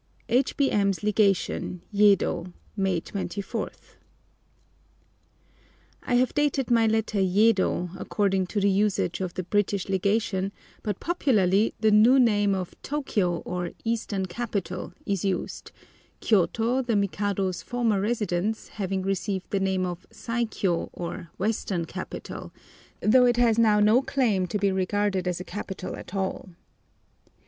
H.B.M.'s LEGATION, YEDO, May 24. I HAVE dated my letter Yedo, according to the usage of the British Legation, but popularly the new name of Tôkiyô, or Eastern Capital, is used, Kiyôto, the Mikado's former residence, having received the name of Saikiô, or Western Capital, though it has now no claim to be regarded as a capital at all.